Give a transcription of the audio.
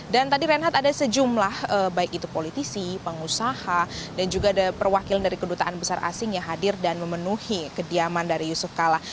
dan tadi renhat ada sejumlah baik itu politisi pengusaha dan juga ada perwakilan dari kedutaan besar asing yang hadir dan memenuhi kediaman dari yusuf kalang